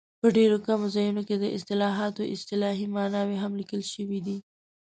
په ډېرو کمو ځایونو کې د اصطلاحاتو اصطلاحي ماناوې هم لیکل شوي دي.